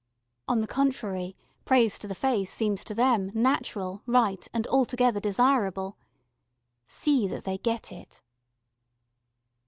On the contrary, praise to the face seems to them natural, right, and altogether desirable. See that they get it.